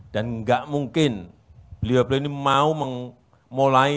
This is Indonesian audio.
dan enggak mungkin beliau beliau ini mau memulai